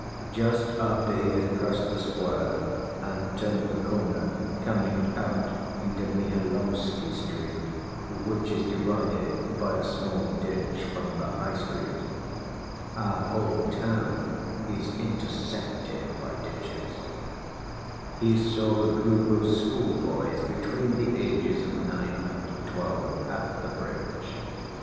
Just after he had crossed the square and turned the corner coming out into Mihailovsky Street, which is divided by a small ditch from the High Street (our whole town is intersected by ditches), he saw a group of schoolboys between the ages of nine and twelve, at the bridge.